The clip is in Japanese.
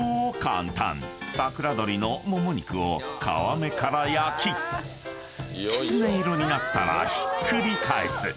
［さくらどりのもも肉を皮目から焼ききつね色になったらひっくり返す］